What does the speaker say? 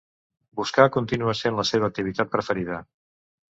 Buscar continua sent la seva activitat preferida.